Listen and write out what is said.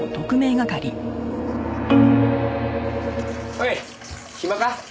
おい暇か？